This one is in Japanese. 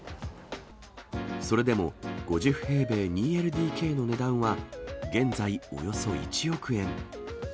それでも、５０平米２ＬＤＫの値段は、現在、およそ１億円。